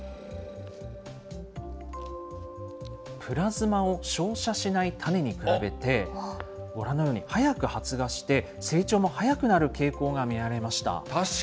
プラズマを照射しない種に比べて、ご覧のように早く発芽して成長も早くなる傾向が見られました。